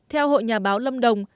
hội nhà báo lâm đồng